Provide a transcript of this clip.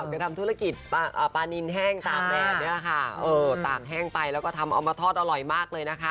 ไปทำธุรกิจปลานินแห้งตามแบรนดนี่แหละค่ะต่างแห้งไปแล้วก็ทำเอามาทอดอร่อยมากเลยนะคะ